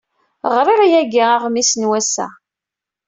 Ɣriɣ yagi aɣmis n wass-a.